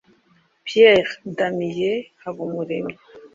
Pierre Damien Habumuremyi